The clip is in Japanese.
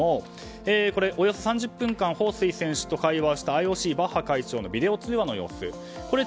懐かしい感じですがおよそ３０分間ホウ・スイ選手と会話をしたＩＯＣ、バッハ会長のビデオ通話の様子。